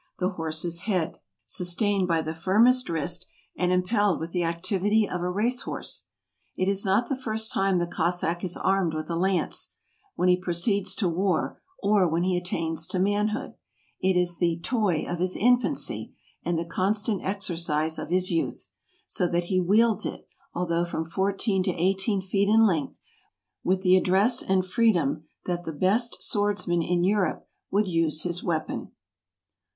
the horse's head, sustained by the firmest 34 RUSSIA. wrist, and impelled with the activity of a race¬ horse? It is not the first time the Cossack is armed with a lance, when he proceeds to war, or when he attains to manhood; it is the Toy of his Infancy , and the constant exercise of his youth; so that he wields it, although from fourteen to eighteen feet in length, with the address and free¬ dom that the best swordsman in Europe would use his weapon.